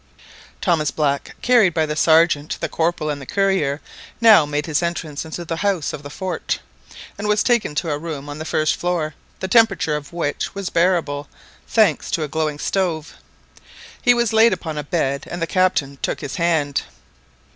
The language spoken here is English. Thomas Black, carried by the Sergeant, the Corporal, and the courier, now made his entrance into the house of the fort, and was taken to a room on the first floor, the temperature of which was bearable, thanks to a glowing stove. He was laid upon a bed, and the Captain took his hand.